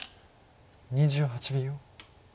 ２８秒。